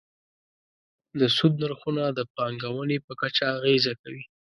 د سود نرخونه د پانګونې په کچه اغېزه کوي.